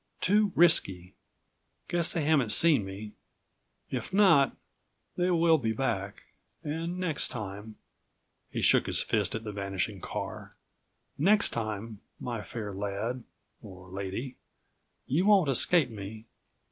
Too risky. Guess they haven't seen me. If not, they will be back. And next time," he shook his fist at the vanishing car, "next time my fair lad or lady, you won't escape me."